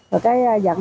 rồi cái giận động nó